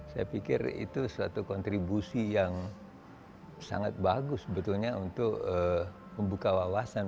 saya pikir itu suatu kontribusi yang sangat bagus sebetulnya untuk membuka wawasan